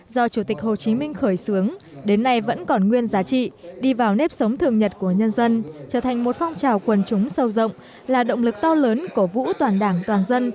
do chủ tịch hồ chí minh khởi xướng đến nay vẫn còn nguyên giá trị đi vào nếp sống thường nhật của tổng cục lâm nghiệp việt nam